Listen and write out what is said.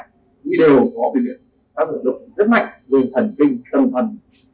nguy đều có biểu hiện tác dụng rất mạnh dùng thần kinh tâm thuần thường là ảnh hưởng kinh mạnh